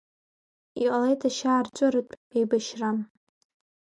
Иҟалеит ашьаарҵәыратә еибашьра.